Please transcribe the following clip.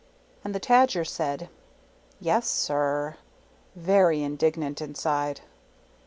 And the Tajer said, " Yes, sir," very indignant inside.